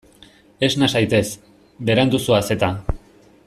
Esna zaitez, berandu zoaz eta.